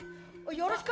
よろしく！